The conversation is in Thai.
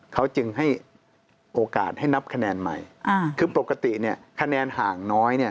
เขาจึงให้โอกาสให้นับคะแนนใหม่คือปกติคะแนนห่างน้อย